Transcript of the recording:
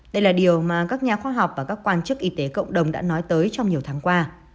đây là điều mà các nhà khoa học và các quan chức y tế cộng đồng đã nói tới trong nhiều tháng qua